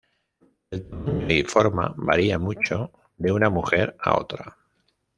El tamaño y forma varía mucho de una mujer a otra.